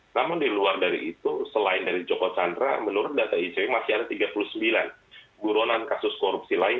namun di luar dari itu selain dari joko chandra menurut data icw masih ada tiga puluh sembilan buronan kasus korupsi lain